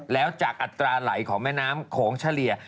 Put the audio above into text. แล้วจากอัตราไหลของแม่น้ำโขงเฉลี่ย